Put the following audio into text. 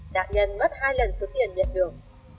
nạn nhân mất hai lần số tiền nhận được